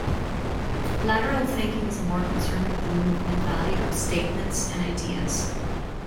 Lateral thinking is more concerned with the "movement value" of statements and ideas.